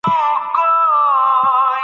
ازادي راډیو د سیاست اړوند مرکې کړي.